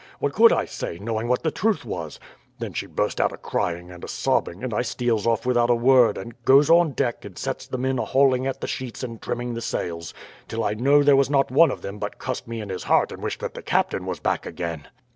What could I say, knowing what the truth was? Then she burst out a crying and a sobbing, and I steals off without a word, and goes on deck and sets the men a hauling at the sheets and trimming the sails, till I know there was not one of them but cussed me in his heart and wished that the captain was back again.